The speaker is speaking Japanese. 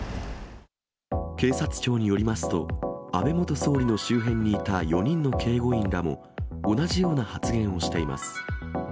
警察庁によりますと、安倍元総理の周辺にいた４人の警護員らも、同じような発言をしています。